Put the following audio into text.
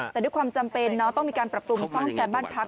แต่ด้วยความจำเป็นต้องมีการปรับปรุงซ่อมแซมบ้านพัก